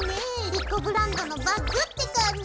莉子ブランドのバッグって感じ。